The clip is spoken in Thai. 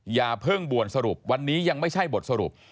อย่าเพิ่งบวนสรุปวันนี้ยังไม่ใช่บทสรุป